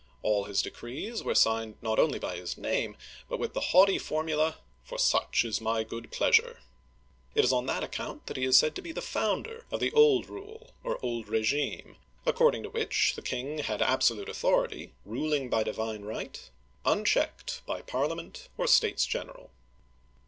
All his de crees were signed not only by his name, but with the haughty formula, " For such is my good pleasure !" It is on that account that he is said to be the founder of the Old Rule or Old Regime (ra zheem'), according to which the king had absolute authoi:ity, ruling by divine right, unchecked by Parliament or States General.